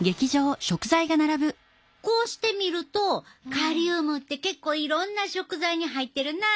こうして見るとカリウムって結構いろんな食材に入ってるなあ。